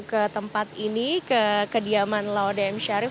ke tempat ini ke kediaman laudie m sharif